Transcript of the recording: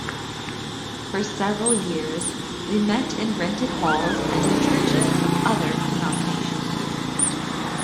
For several years they met in rented halls and in churches of other denominations.